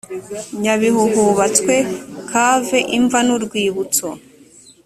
nyabihu: hubatswe cave imva n’urwibutso